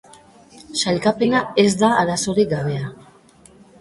Sailkapena ez da arazorik gabea.